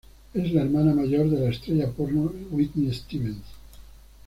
Es la hermana mayor de la estrella porno, Whitney Stevens.